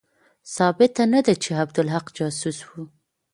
ثابته نه ده چې عبدالحق جاسوس وو.